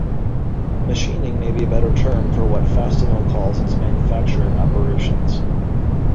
Machining may be a better term for what Fastenal calls its "manufacturing" operations.